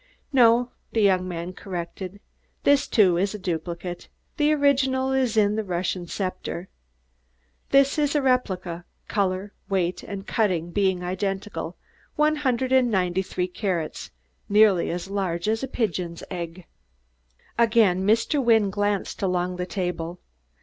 "No," the young man corrected; "this, too, is a duplicate. The original is in the Russian sceptre. This is a replica color, weight and cutting being identical one hundred and ninety three carats, nearly as large as a pigeon's egg." Again Mr. Wynne glanced along the table.